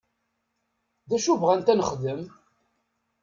D acu bɣant ad nexdem?